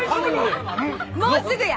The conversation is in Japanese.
もうすぐや！